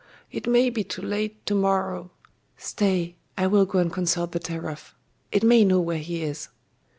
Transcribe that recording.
It may be too late to morrow! Stay I will go and consult the teraph; it may know where he is....